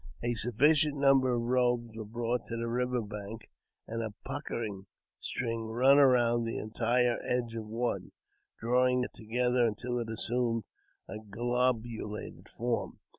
A sufficient number of robes were brought to the river bank, and a puckering string run around the entire edge of one, drawing it together until it assumed a globulated form.